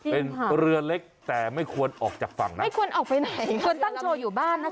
เป็นเรือเล็กแต่ไม่ควรออกจากฝั่งนะไม่ควรออกไปไหนควรตั้งโชว์อยู่บ้านนะคะ